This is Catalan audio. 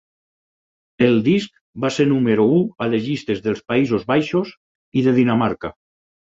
El disc va ser número u a les llistes dels Països Baixos i de Dinamarca.